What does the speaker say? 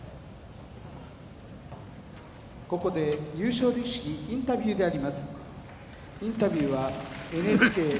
ここで優勝力士インタビューであります。